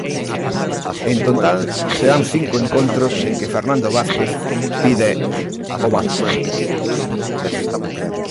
En total será cinco encontros sen que Fernando Vázquez pide o banco.